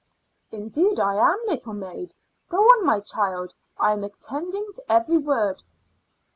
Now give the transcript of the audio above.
"Indeed I am, little maid. Go on, my child; I'm attending to every word."